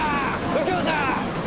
右京さーん！